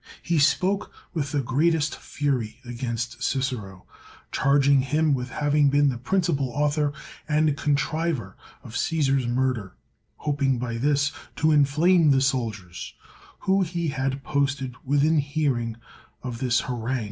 He spoke with the greatest fury against CHcero, charging him with having been the principal author and contriver of C8Bsar*s murder, hoping by this to inflame the soldiers, whom he had posted within hearing of his harang.